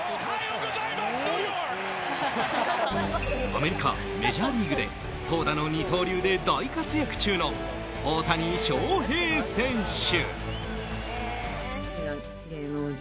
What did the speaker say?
アメリカ、メジャーリーグで投打の二刀流で大活躍中の大谷翔平選手。